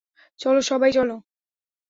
চলো, সবাই, চলো!